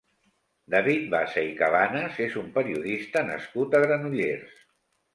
David Bassa i Cabanas és un periodista nascut a Granollers.